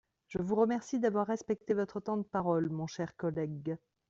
Je vous remercie d’avoir respecté votre temps de parole, mon cher collègue.